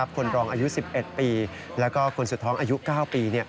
คนรองอายุ๑๑ปีแล้วก็คนสุดท้องอายุ๙ปี